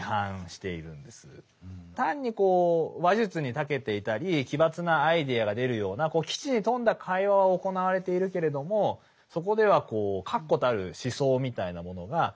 単に話術に長けていたり奇抜なアイデアが出るような機知に富んだ会話は行われているけれどもそこでは確固たる思想みたいなものがない。